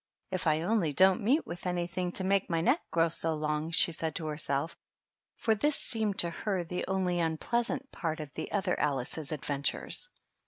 " If I only don't meet with any thing to make my neck grow so long !" she said to herself; for this seemed to her the only un pleasant part of the other Alice's adventures.